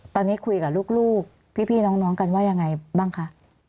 ตอนนี้คุยกับลูกพี่น้องกันว่ายังไงบ้างคะ